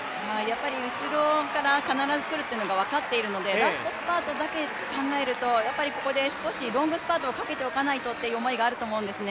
後ろから必ず来るっていうのが分かってるのでラストスパートだけ考えるとここで少しロングスパートをかけておかないとという考えがあると思います。